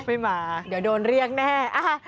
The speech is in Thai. ไม่มาเดี๋ยวโดนเรียกแน่